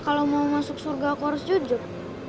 kalau mau masuk surga aku harus jujur